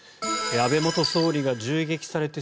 安倍元総理が銃撃されて